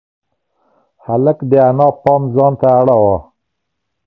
هلک د انا پام ځان ته اړاوه.